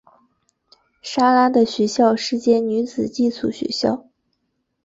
莎拉的学校是间女子寄宿学校。